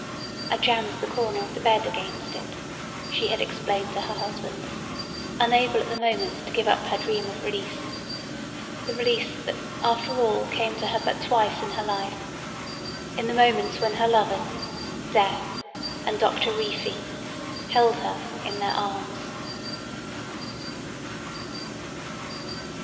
"I jammed the corner of the bed against it," she had explained to her husband, unable at the moment to give up her dream of release, the release that after all came to her but twice in her life, in the moments when her lovers Death and Doctor Reefy held her in their arms.